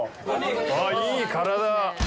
あっ、いい体。